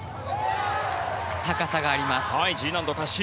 高さがあります。